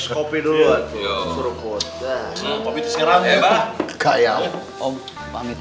kau mau ngapain